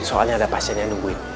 soalnya ada pasien yang nungguin